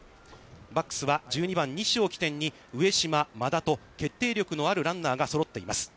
バックスは１２番の西を起点に上嶋、馬田と決定力のあるランナーがそろっています。